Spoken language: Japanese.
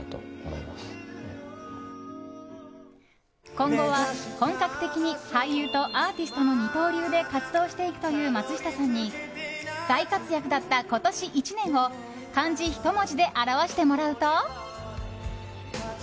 今後は本格的に俳優とアーティストの二刀流で活動していくという松下さんに大活躍だった今年１年を漢字ひと文字で表してもらうと。